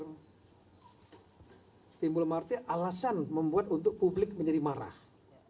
timbul martir alasan membuat untuk publik menjadi marah